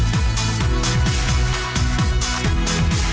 jadi anak manis gak boleh menangis